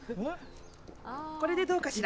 これでどうかしら。